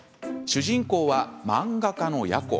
主人公は漫画家のヤコ。